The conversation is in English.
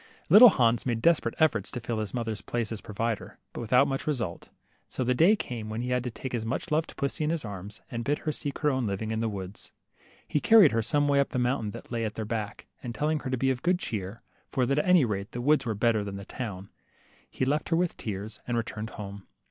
Little Hans made desperate efforts to fill his mother' s^ place as provider, but without much result. So the day came when he had to take his much loved pussy in his arms, and bid her seek her own living in the woods. He carried her some way up the mountain that lay at their back, and telling her to be of good cheer, for that at any rate the woods were better than the town, he left her with tears, and returned home.